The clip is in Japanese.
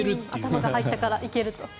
頭が入ったから行けると。